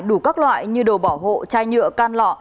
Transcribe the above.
đủ các loại như đồ bảo hộ chai nhựa can lọ